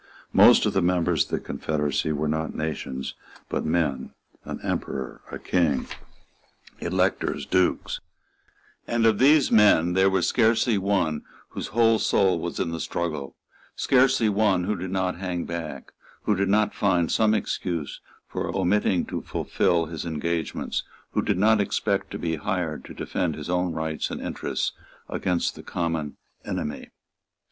Most of the members of the confederacy were not nations, but men, an Emperor, a King, Electors, Dukes; and of these men there was scarcely one whose whole soul was in the struggle, scarcely one who did not hang back, who did not find some excuse for omitting to fulfil his engagements, who did not expect to be hired to defend his own rights and interests against the common enemy.